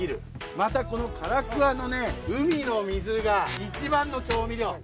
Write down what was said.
またこの唐桑の海の水が一番の調味料。